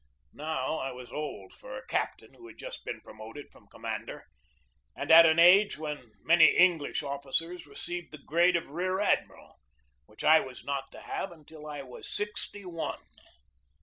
Now I was old for a captain who had just been promoted from commander, and at an age when many English officers receive the grade of rear admiral, which I was not to have until I was sixty one.